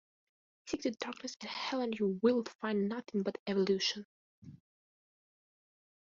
Seek the darkness and hell and you will find nothing but evolution.